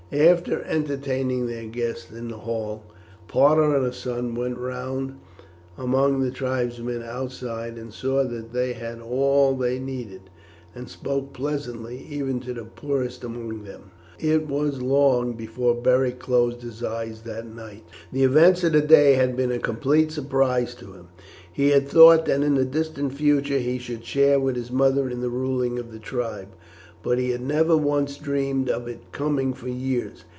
After entertaining their guests in the hall, Parta and her son went round among the tribesmen outside and saw that they had all they needed, and spoke pleasantly even to the poorest among them. It was long before Beric closed his eyes that night. The events of the day had been a complete surprise to him. He had thought that in the distant future he should share with his mother in the ruling of the tribe, but had never once dreamed of its coming for years.